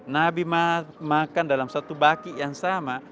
nabi makan dalam satu baki yang sama